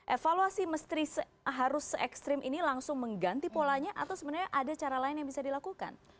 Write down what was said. evaluasi mesti harus se ekstrim ini langsung mengganti polanya atau sebenarnya ada cara lain yang bisa dilakukan